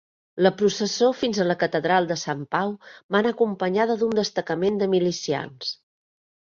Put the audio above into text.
La processó fins a la catedral de Sant Pau va anar acompanyada d'un destacament de milicians.